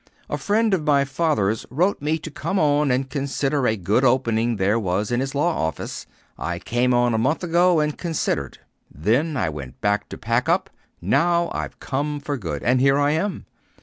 A friend of my father's wrote me to come on and consider a good opening there was in his law office. I came on a month ago, and considered. Then I went back to pack up. Now I've come for good, and here I am.